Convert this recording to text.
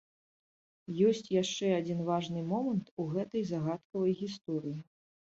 Ёсць яшчэ адзін важны момант у гэтай загадкавай гісторыі.